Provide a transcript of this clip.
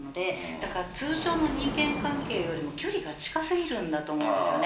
だから通常の人間関係よりも距離が近すぎるんだと思うんですよね。